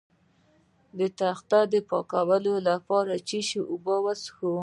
د تخه د پاکوالي لپاره د څه شي اوبه وڅښم؟